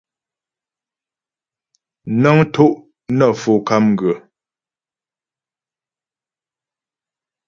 Nə́ŋ tó' nə Fo KAMGA.